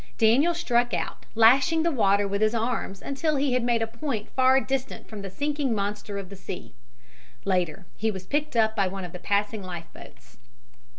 Daniel struck out, lashing the water with his arms until he had made a point far distant from the sinking monster of the sea. Later he was picked up by one of the passing life boats.